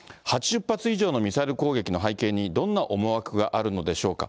８０発以上のミサイル攻撃の背景にどんな思惑があるのでしょうか。